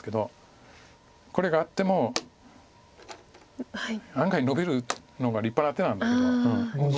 これがあっても案外ノビるのが立派な手なんだけど。